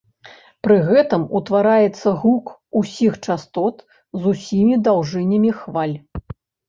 Пры гэтым утвараецца гук усіх частот з усімі даўжынямі хваль.